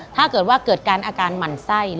ถ้าเกิดว่าเกิดการอาการหมั่นไส้